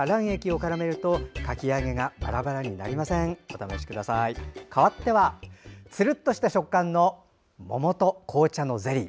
かわってはツルッとした食感の桃と紅茶のゼリー。